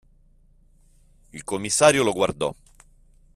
Il commissario lo guardò.